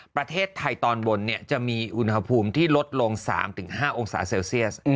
ประเทศไทยตอนบนจะมีอุณหภูมิที่ลดลง๓๕องศาเซลเซียส